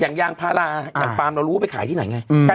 อย่างยางพาราอ่าอย่างปรามเรารู้ว่าไปขายที่ไหนไงอืม